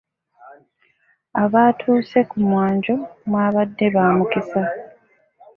Abaatuuse ku mwanjo mwabadde ba mukisa.